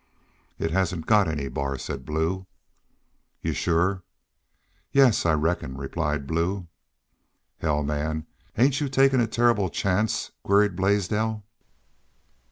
"It hasn't got any bar," said Blue. "Y'u're shore?" "Yes, I reckon," replied Blue. "Hell, man! Aren't y'u takin' a terrible chance?" queried Blaisdell.